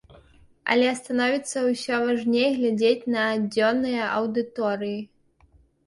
Але становіцца ўсё важней глядзець на дзённыя аўдыторыі.